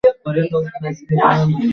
কার থেকে তাদের এখানে নিয়ে আসলে ভালো হয়।